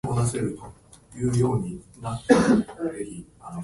あんぱんがたべたい